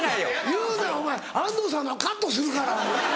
言うなお前安藤さんのはカットするから。